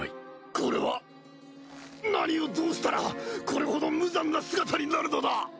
これは何をどうしたらこれほど無残な姿になるのだ。